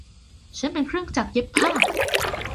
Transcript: ฉันเป็นเครื่องจักรเย็บผ้า